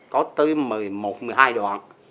có tới một mươi một một mươi hai đoạn